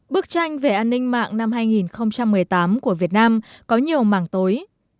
bức tranh về an ninh mạng năm hai nghìn một mươi tám của việt nam có nhiều mảng tối